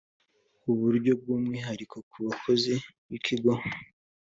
buryo bw umwihariko ku bakozi b ikigo